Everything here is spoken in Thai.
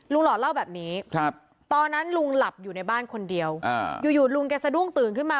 หล่อเล่าแบบนี้ตอนนั้นลุงหลับอยู่ในบ้านคนเดียวอยู่ลุงแกสะดุ้งตื่นขึ้นมา